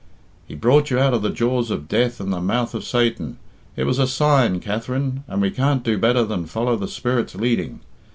"He brought you out of the jaws of death and the mouth of Satan. It was a sign, Katherine, and we can't do better than follow the Spirit's leading.